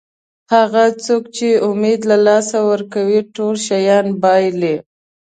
هغه څوک چې امید له لاسه ورکوي ټول شیان بایلي.